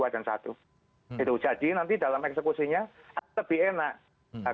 jadi nanti dalam eksekusinya lebih enak